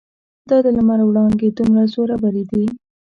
دا د لمر وړانګې دومره زورورې دي.